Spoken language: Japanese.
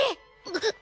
ぐっ。